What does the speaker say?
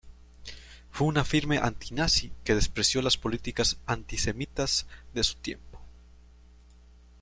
Fue una firme anti-nazi que despreció las políticas antisemitas de su tiempo.